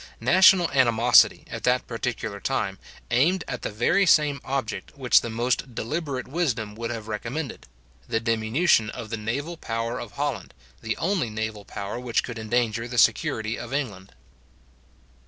National animosity, at that particular time, aimed at the very same object which the most deliberate wisdom would have recommended, the diminution of the naval power of Holland, the only naval power which could endanger the security of England.